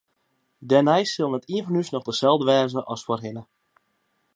Dêrnei sil net ien fan ús noch deselde wêze as foarhinne.